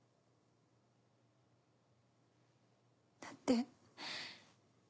だって。